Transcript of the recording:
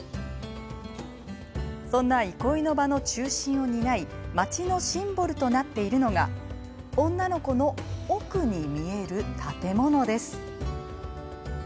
そんな憩いの場の中心を担い町のシンボルとなっているのが女の子の奥に見える建物です。